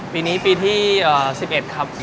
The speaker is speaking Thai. ปีนี้ปีที่๑๑ครับ